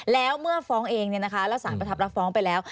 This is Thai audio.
แล้วเมื่อฟ้องเองเนี่ยนะคะแล้วสารประทับละฟ้องไปแล้ว